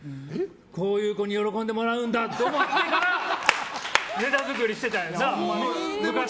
こういう子に喜んでもらうんだって思ってからネタ作りしてたんやな。